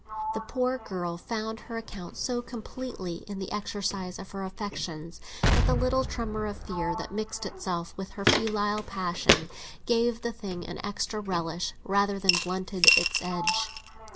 The poor girl found her account so completely in the exercise of her affections that the little tremor of fear that mixed itself with her filial passion gave the thing an extra relish rather than blunted its edge.